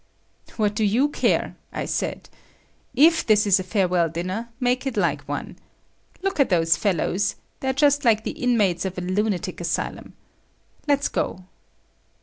"What do you care!" I said, "If this is a farewell dinner, make it like one. Look at those fellows; they're just like the inmates of a lunatic asylum. Let's go."